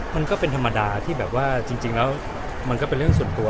มันก็เป็นธรรมดาที่แบบว่าจริงแล้วมันก็เป็นเรื่องส่วนตัว